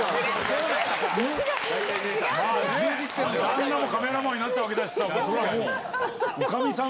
旦那もカメラマンになったわけだしさ。